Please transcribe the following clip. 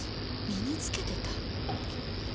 身に着けてた？